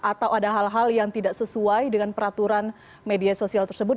atau ada hal hal yang tidak sesuai dengan peraturan media sosial tersebut